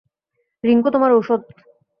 রিংকু, তোমার ওষুধ।